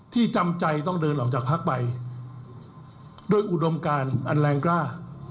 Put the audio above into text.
จำใจต้องเดินออกจากพักไปด้วยอุดมการอันแรงกล้า